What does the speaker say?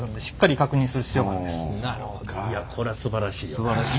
いやこれはすばらしいわ。